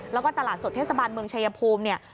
แล้วก็ตลาดสดเทศบาลเมืองชายภูมิเนี่ย